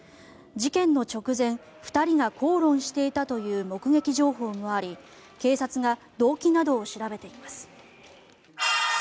事件の直前２人が口論していたという目撃情報もあり警察が動機などを調べています。